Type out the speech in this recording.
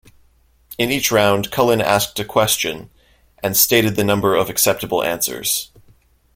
In each round, Cullen asked a question and stated the number of acceptable answers.